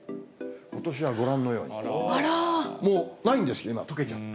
ことしはご覧のように、もうないんですよ、今、とけちゃって。